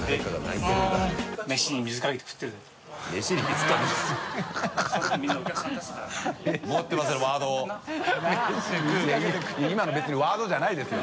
い笋い今の別にワードじゃないですよ